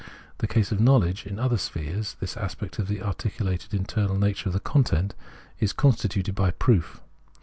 In the case of knowledge in other spheres this aspect of the arti culated internal nature of the content is constituted by proof.